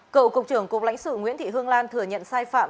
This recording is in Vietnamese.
cựu cục trưởng cục lãnh sự nguyễn thị hương lan thừa nhận sai phạm